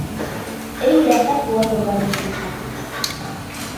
Эй рәхәт була торғайны шул саҡ!